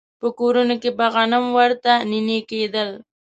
په کورونو کې به غنم ورته نينې کېدل.